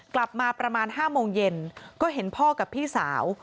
ประมาณ๕โมงเย็นก็เห็นพ่อกับพี่สาว